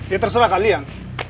ya terserah kalian